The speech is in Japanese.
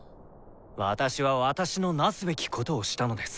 私は私のなすべきことをしたのです。